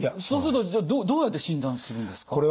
そうするとどうやって診断するんですか？